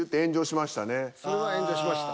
それは炎上しました。